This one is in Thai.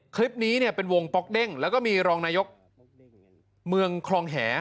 คลิปนี้เนี่ยเป็นวงป๊อกเด้งแล้วก็มีรองนายกเมืองคลองแห